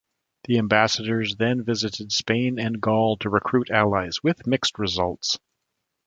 The ambassadors then visited Spain and Gaul to recruit allies, with mixed results.